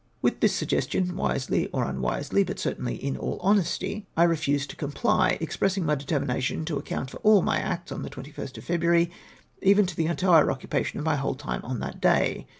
With this suggestion, wisely or unwisely — but certainly in all honesty, I refused to comply, expressing my determination to account /oi' all my acts on the 21st of February, even to the entire occupation of my whole time on tliat day.